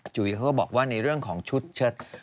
จุ๋ยเขาก็บอกว่าในเรื่องของชุดเชิด